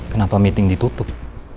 kenapa meeting ditutup